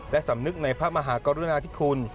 และสำนึกในพระมหากรุณาธิคุณ